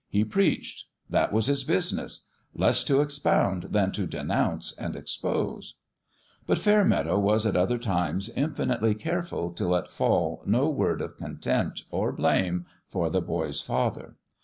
He preached : that was his busi ness less to expound than to denounce and expose. But Fairmeadow was at other times FIST PLAY 153 infinitely careful to let fall no word of contempt or blame for the boy's father.